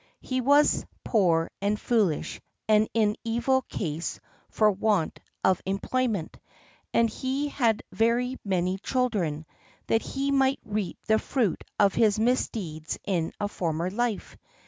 He was poor and foolish and in evil case for want of employment, and he had very many children, that he might reap the fruit of his misdeeds in a former life.